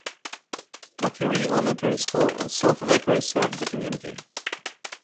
Vacherie Elementary School in South Vacherie serves the community.